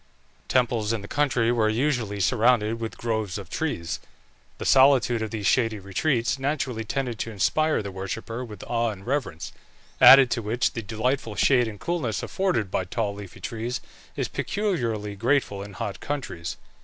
Temples in the country were usually surrounded with groves of trees. The solitude of these shady retreats naturally tended to inspire the worshipper with awe and reverence, added to which the delightful shade and coolness afforded by tall leafy trees is peculiarly grateful in hot countries.